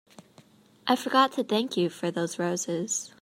I forgot to thank you for those roses.